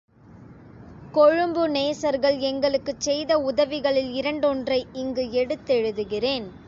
கொழும்பு நேசர்கள் எங்களுக்குச் செய்த உதவிகளில் இரண்டொன்றை இங்கு எடுத்தெழுதுகிறேன்.